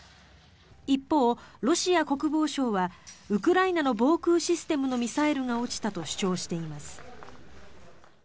一方、ロシア国防省はウクライナの防空システムのミサイルが落ちたと主張しています。